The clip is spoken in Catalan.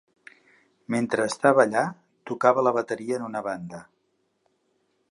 Mentre estava allà, tocava la bateria en una banda.